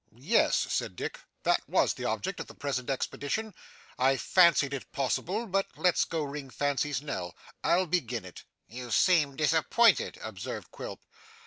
'Yes,' said Dick, 'that was the object of the present expedition. I fancied it possible but let us go ring fancy's knell. I'll begin it.' 'You seem disappointed,' observed Quilp.